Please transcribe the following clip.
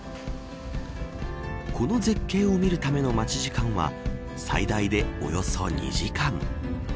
この絶景を見るための待ち時間は最大でおよそ２時間。